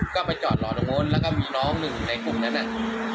ก็ไปจอดรอตรงนู้นแล้วก็มีน้องหนึ่งในกลุ่มนั้นน่ะ